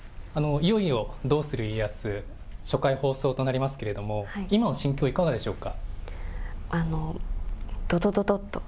いよいよ、どうする家康、初回放送となりますけれども、今の心境、いかがでしょうか。